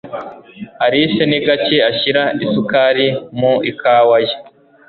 Alice ni gake ashyira isukari mu ikawa ye.